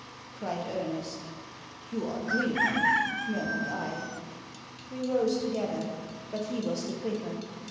cried Ernest " You are dreaming," murmured I. We rose together. But he was the quicker.